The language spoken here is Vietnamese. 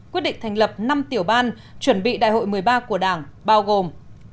quyết định thành lập năm tiểu ban chuẩn bị đại hội một mươi ba của đảng bao gồm